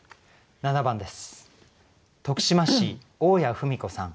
８番です。